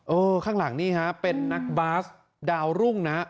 ข้างหลังนี่ฮะเป็นนักบาสดาวรุ่งนะ